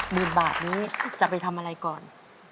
หมื่นบาทนี้จะไปทำอะไรก่อน